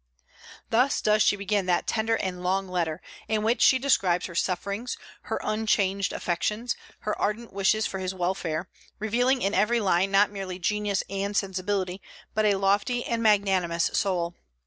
Thus does she begin that tender and long letter, in which she describes her sufferings, her unchanged affections, her ardent wishes for his welfare, revealing in every line not merely genius and sensibility, but a lofty and magnanimous soul.